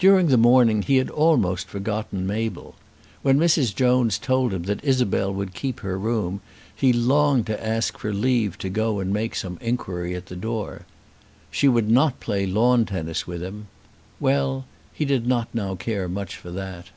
During the morning he had almost forgotten Mabel. When Mrs. Jones told him that Isabel would keep her room, he longed to ask for leave to go and make some inquiry at the door. She would not play lawn tennis with him. Well; he did not now care much for that.